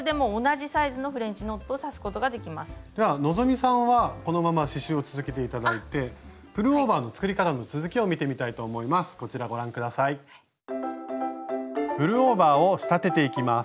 じゃあ希さんはこのまま刺しゅうを続けて頂いてプルオーバーの作り方の続きを見てみたいと思います。